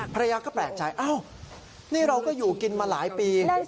ภรรยาก็แปลกใจอ้าวนี่เราก็อยู่กินมาหลายปี